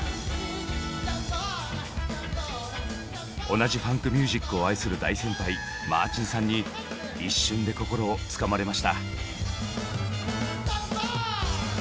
同じファンクミュージックを愛する大先輩・マーチンさんに一瞬で心をつかまれました。